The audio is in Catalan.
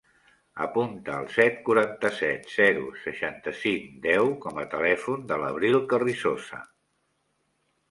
Apunta el set, quaranta-set, zero, seixanta-cinc, deu com a telèfon de l'Abril Carrizosa.